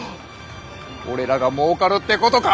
俺らがもうかるってことか？